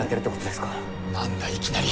何だいきなり。